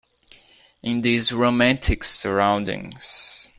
In these romantic surroundings.